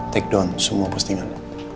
take down semua postingan